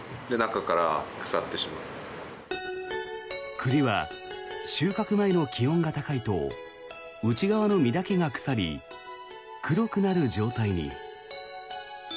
栗は収穫前の気温が高いと内側の実だけが腐り黒くなる状態に。